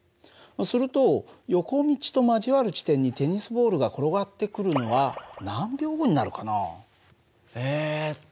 すると横道と交わる地点にテニスボールが転がってくるのは何秒後になるかな？